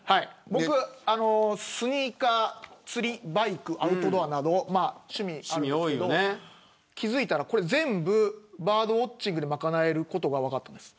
僕、スニーカー釣り、バイク、アウトドアなど趣味が多いんですけど気付いたら、これ全部バードウオッチングで賄えることが分かったんです。